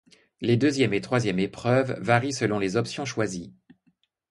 Les deuxième et troisième épreuves varient selon les options choisies.